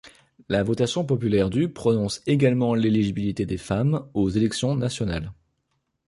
La votation populaire du prononce également l'éligibilité des femmes aux élections nationales.